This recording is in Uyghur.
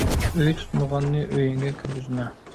ئۆي تۇتمىغاننى ئۆيۈڭگە كىرگۈزمە